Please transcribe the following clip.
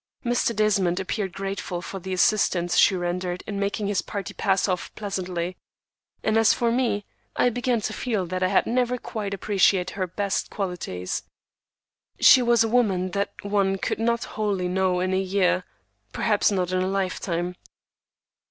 Mr. Desmond appeared grateful for the assistance she rendered in making his party pass off pleasantly, and as for me, I began to feel that I had never quite appreciated her best qualities. She was a woman that one could not wholly know in a year, perhaps not in a lifetime.